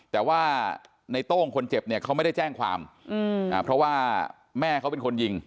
แต่ว่าในโต้งคนเจ็บเนี่ยเขาไม่ได้แจ้งความเพราะว่าแม่เขาเป็นคนยิง